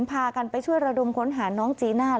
พากันไปช่วยระดมค้นหาน้องจีน่า